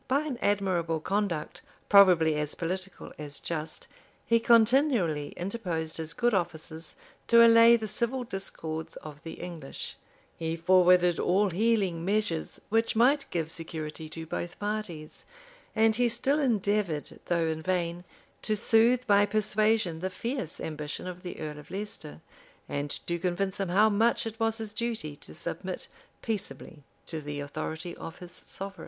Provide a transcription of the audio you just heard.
By an admirable conduct, probably as political as just, he continually interposed his good offices to allay the civil discords ol the English: he forwarded all healing measures which might give security to both parties: and he still endeavored, though in vain, to soothe by persuasion the fierce ambition of the earl of Leicester, and to convince him how much it was his duty to submit peaceably to the authority of his sovereign.